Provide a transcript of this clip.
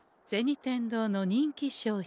天堂の人気商品